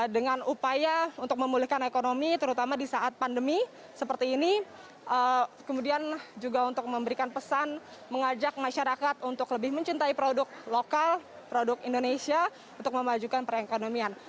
dengan upaya untuk memulihkan ekonomi terutama di saat pandemi seperti ini kemudian juga untuk memberikan pesan mengajak masyarakat untuk lebih mencintai produk lokal produk indonesia untuk memajukan perekonomian